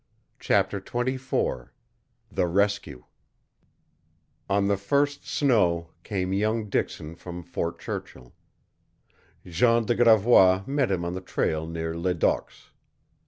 CHAPTER XXIV THE RESCUE On the first snow came young Dixon from Fort Churchill. Jean de Gravois met him on the trail near Ledoq's.